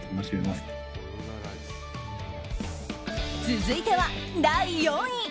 続いては第４位。